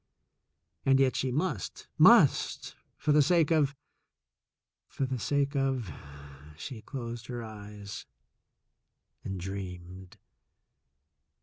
And yet she must, must, for the sake of — for the sake of — she closed her eyes and dreamed.